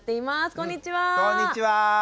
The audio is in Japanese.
こんにちは。